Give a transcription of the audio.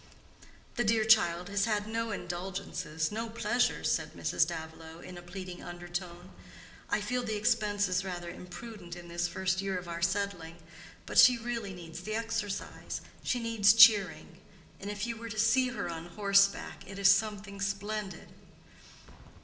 "The dear child has had no indulgences, no pleasures," said Mrs. Davilow, in a pleading undertone. "I feel the expense is rather imprudent in this first year of our settling. But she really needs the exercise—she needs cheering. And if you were to see her on horseback, it is something splendid."